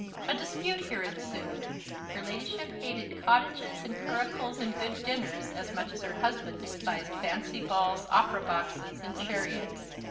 A dispute here ensued; her ladyship hated cottages and curricles and good dinners as much as her husband despised fancy balls, opera boxes, and chariots.